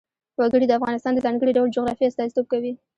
وګړي د افغانستان د ځانګړي ډول جغرافیه استازیتوب کوي.